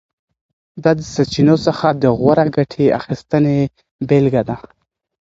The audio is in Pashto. دا د سرچینو څخه د غوره ګټې اخیستنې بېلګه ده.